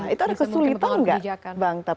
itu ada kesulitan gak bang